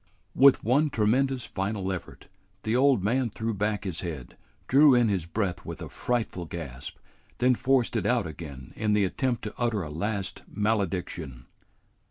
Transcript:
With one tremendous final effort, the old man threw back his head, drew in his breath with a frightful gasp, then forced it out again in the attempt to utter a last malediction.